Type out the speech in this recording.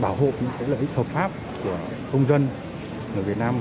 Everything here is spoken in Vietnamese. bảo hộ những lợi ích hợp pháp của công dân ở việt nam